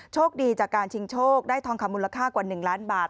โชคดีจากการชิงโชคได้ทองคำมูลค่ากว่า๑ล้านบาท